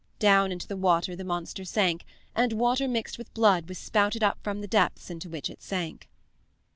Down into the water the monster sank, and water mixed with blood was spouted up from the depths into which it sank.